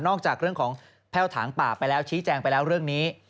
จากเรื่องของแพ่วถางป่าไปแล้วชี้แจงไปแล้วเรื่องนี้